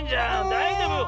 だいじょうぶ？